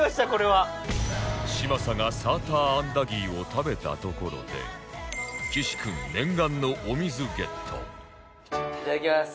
嶋佐がサーターアンダギーを食べたところで岸君念願のお水ゲットいただきます。